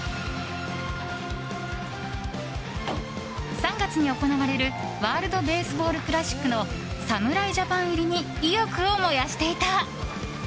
３月に行われるワールド・ベースボール・クラシックの侍ジャパン入りに意欲を燃やしていた。